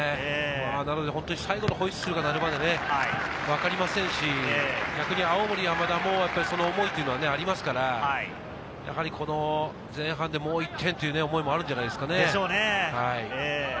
本当に最後のホイッスルが鳴るまで分かりませんし、青森山田もその思いというのはありますから、前半でもう１点という思いもあるんじゃないですかね。